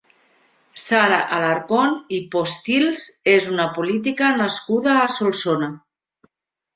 Sara Alarcón i Postils és una política nascuda a Solsona.